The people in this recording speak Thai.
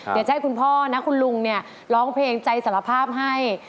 เดี๋ยวจะให้คุณพ่อนะคุณลุงเนี่ยร้องเพลงใจสารภาพให้